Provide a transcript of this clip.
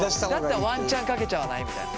だったらワンチャンかけちゃわないみたいな。